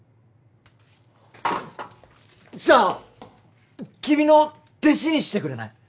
じゃあ君の弟子にしてくれない？